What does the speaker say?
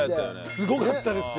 すごかったですよ